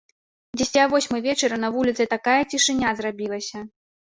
Дзесьці а восьмай вечара на вуліцы такая цішыня зрабілася!